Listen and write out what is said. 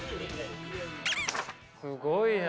すごいな。